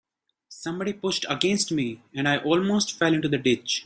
Somebody pushed against me, and I almost fell into the ditch.